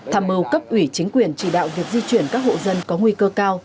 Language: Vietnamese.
tham mưu cấp ủy chính quyền chỉ đạo việc di chuyển các hộ dân có nguy cơ cao